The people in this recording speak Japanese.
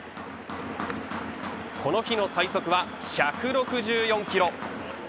この日の最速は１６４キロ。